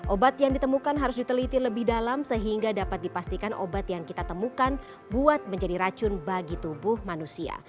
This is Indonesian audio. obat yang ditemukan harus diteliti lebih dalam sehingga dapat dipastikan obat yang kita temukan buat menjadi racun bagi tubuh manusia